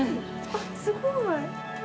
あっすごい！